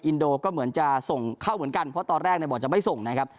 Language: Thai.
อินโดก็เหมือนจะส่งเข้าเหมือนกันเพราะตอนแรกเนี่ยบอกจะไม่ส่งนะครับ